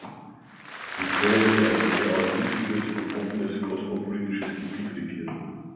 Wie können wir ein derart riesiges und offenes kosmopolitisches Gebiet regieren?